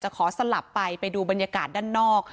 ขอสลับไปไปดูบรรยากาศด้านนอก